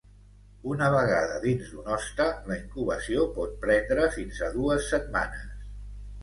Una vegada dins d'un hoste, la incubació pot prendre fins a dues setmanes.